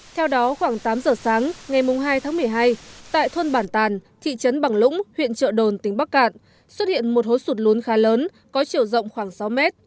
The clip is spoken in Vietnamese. theo đó khoảng tám giờ sáng ngày hai tháng một mươi hai tại thôn bản tàn thị trấn bằng lũng huyện trợ đồn tỉnh bắc cạn xuất hiện một hố sụt lún khá lớn có chiều rộng khoảng sáu mét